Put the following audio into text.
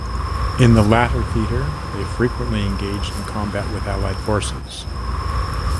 In the latter theatre they frequently engaged in combat with Allied forces.